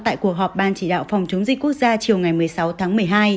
tại cuộc họp ban chỉ đạo phòng chống dịch quốc gia chiều ngày một mươi sáu tháng một mươi hai